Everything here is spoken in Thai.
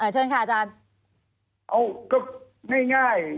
เชิญค่ะอาจารย์